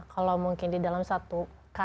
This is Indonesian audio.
kalau mungkin di dalam satu